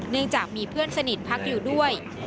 เนื่องจากมีเพื่อนสนิทพักอยู่ด้วย